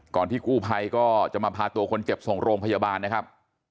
ที่กู้ภัยก็จะมาพาตัวคนเจ็บส่งโรงพยาบาลนะครับ